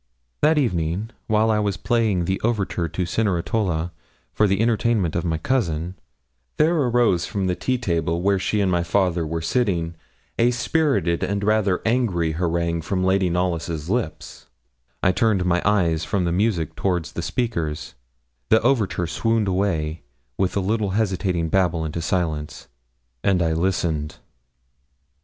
That evening, while I was playing the overture to Cenerentola, for the entertainment of my cousin, there arose from the tea table, where she and my father were sitting, a spirited and rather angry harangue from Lady Knollys' lips; I turned my eyes from the music towards the speakers; the overture swooned away with a little hesitating babble into silence, and I listened.